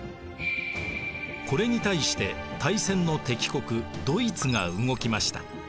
これに対して大戦の敵国ドイツが動きました。